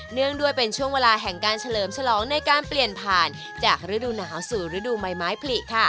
งด้วยเป็นช่วงเวลาแห่งการเฉลิมฉลองในการเปลี่ยนผ่านจากฤดูหนาวสู่ฤดูใบไม้ผลิค่ะ